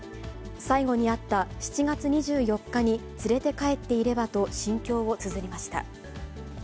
最後に会った７月２４日に連れて帰っていればと、心境をつづりました。